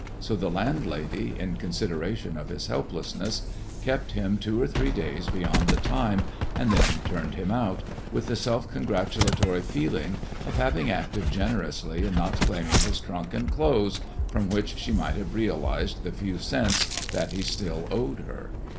So the landlady, in consideration of his helplessness, kept him two or three days beyond the time and then turned him out, with the self congratulatory feeling of having acted generously in not claiming his trunk and clothes, from which she might have realized the few cents that he still owed her.